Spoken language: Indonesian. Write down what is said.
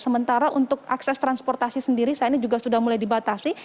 sementara untuk akses transportasi sendiri saat ini juga sudah mulai dibatasi